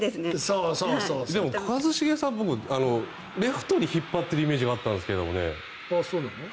でも、一茂さんは僕はレフトに引っ張っているイメージがあったんですけどね。